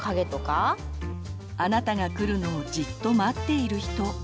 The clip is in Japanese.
あなたが来るのをじっとまっている人。